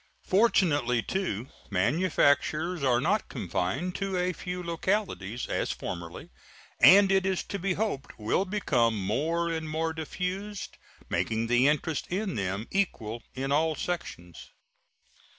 Fortunately, too, manufactures are not confined to a few localities, as formerly, and it is to be hoped will become more and more diffused, making the interest in them equal in all sections.